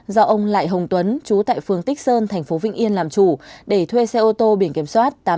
do ông lại hồng tuấn trú tại phương tích sơn thành phố vĩnh yên làm chủ để thuê xe ô tô biển kiểm soát tám mươi tám a ba nghìn bốn trăm bảy mươi tám